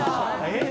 えっ？